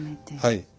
はい。